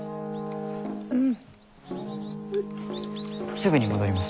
すぐに戻ります。